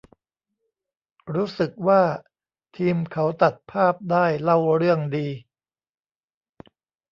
รู้สึกว่า ทีมเขาตัดภาพได้เล่าเรื่องดี